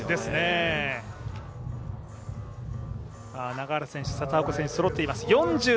永原選手、笹岡選手、そろっています。